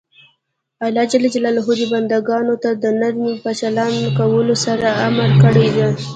الله ج بنده ګانو ته د نرمۍ په چلند کولو سره امر کړی ده.